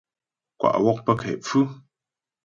Kwa' wɔ' pə kɛ pfʉ.